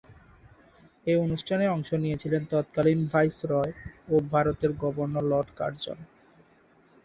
এই অনুষ্ঠানে অংশ নিয়েছিলেন তৎকালীন ভাইসরয় ও ভারতের গভর্নর লর্ড কার্জন।